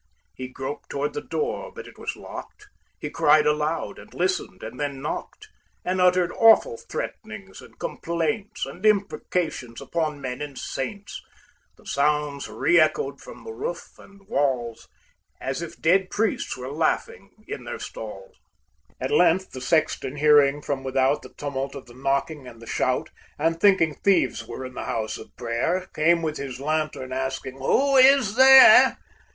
He groped toward the door, but it was locked; He cried aloud, and listened, and then knocked, And uttered awful threatenings and complaints, And imprecations upon men and saints. The sounds reëchoed from the roof and walls As if dead priests were laughing in their stalls. At length the sexton hearing from without The tumult of the knocking and the shout, And thinking thieves were in the house of prayer, Came with his lantern asking, "Who is there?"